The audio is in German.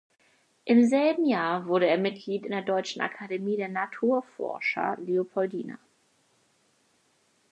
Im selben Jahr wurde er Mitglied in der Deutschen Akademie der Naturforscher Leopoldina.